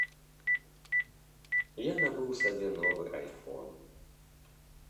Я набыў сабе новы айфон.